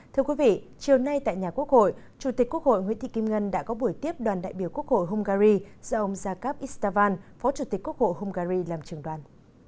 thưa quý vị chiều nay tại nhà quốc hội chủ tịch quốc hội nguyễn thị kim ngân đã có buổi tiếp đoàn đại biểu quốc hội hungary do ông jakarb istan phó chủ tịch quốc hội hungary làm trường đoàn